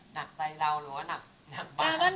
หนักใจเราหรือว่าหนักมาก